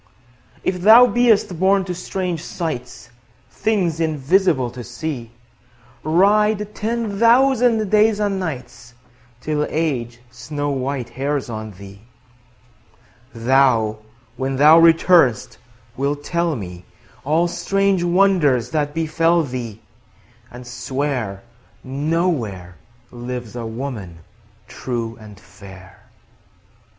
If thou be'st born to strange sights, 10 Things invisible to see, Ride ten thousand days and nights Till Age snow white hairs on thee; Thou, when thou return'st, wilt tell me All strange wonders that befell thee, 15 And swear No where Lives a woman true and fair.